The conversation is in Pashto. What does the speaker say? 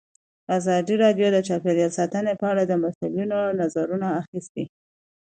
ازادي راډیو د چاپیریال ساتنه په اړه د مسؤلینو نظرونه اخیستي.